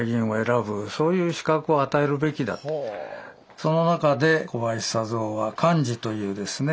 その中で小林佐三は幹事というですね